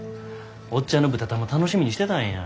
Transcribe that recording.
おっちゃんの豚玉楽しみにしてたんや。